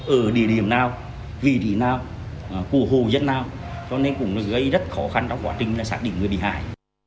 ở địa điểm nào vị trí nào của hồ dân nào cho nên cũng gây rất khó khăn trong quá trình xác định người bị hại